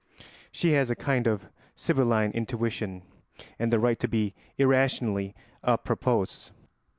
She has a kind of sibylline intuition and the right to be irrationally à propos.